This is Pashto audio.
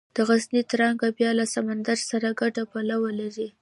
د غزې تړانګه بیا له سمندر سره ګډه پوله لري.